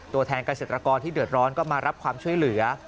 ตัวแทนเกษตรกรที่เดือดร้อนก็มารับความช่วยเหลือ